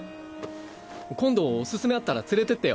今度おすすめあったら連れてってよ。